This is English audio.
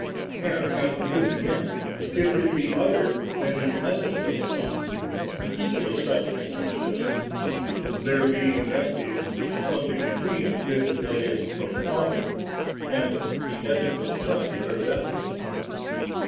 And as to this again, if it be other than the essence of the Son, an equ^ extravagance will meet us ; there being in that case some thing between this that is from the Father and the essence of the Son, whatever that be^ 16.